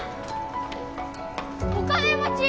お金持ち！